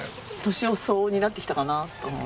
年相応になってきたかなと思う。